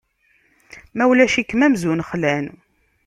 Ma ulac-ikem, amzun xlan.